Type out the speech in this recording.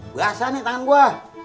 biasa nih tangan gua